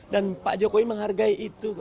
dan pak jokowi menghargai itu